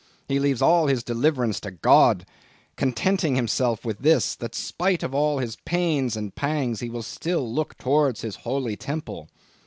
He leaves all his deliverance to God, contenting himself with this, that spite of all his pains and pangs, he will still look towards His holy temple.